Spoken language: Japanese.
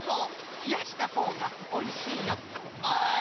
ひやしたほうがおいしいよっておい！